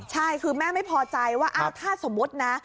ใช่คือแม่ไม่พอใจว่าถ้าสมมุตินะ